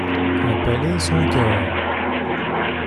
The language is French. Un palais et son cœur.